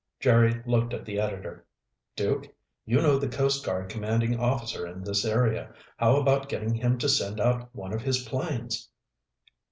Jerry looked at the editor. "Duke, you know the Coast Guard commanding officer in this area. How about getting him to send out one of his planes?"